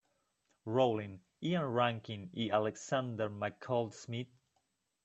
Rowling, Ian Rankin y Alexander McCall Smith.